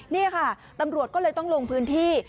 นี่ค่ะตำรวจก็เลยต้องลงพื้นที่